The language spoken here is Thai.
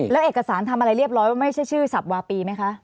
แล้วเอกสารทำอะไรเรียบร้อยว่าไม่ใช่ชื่อสับวาปีไหมคะ